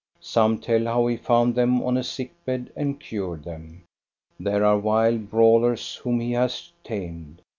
Some tell how he found them on a sick bed and cured them. There are wild brawlers whom he has tamed.